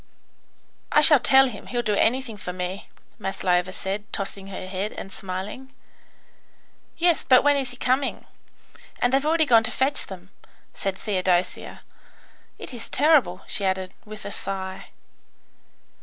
"I shall tell him. He'll do anything for me," Maslova said, tossing her head, and smiling. "Yes, but when is he coming? and they've already gone to fetch them," said Theodosia. "It is terrible," she added, with a sigh.